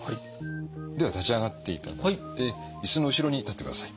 では立ち上がっていただいて椅子の後ろに立ってください。